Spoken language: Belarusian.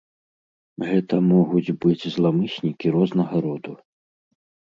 Гэта могуць быць зламыснікі рознага роду.